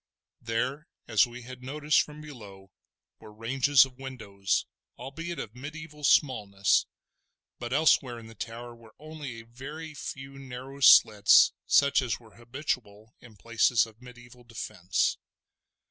There, as we had noticed from below, were ranges of windows, albeit of mediaeval smallness, but elsewhere in the tower were only a very few narrow slits such as were habitual in places of mediaeval defence.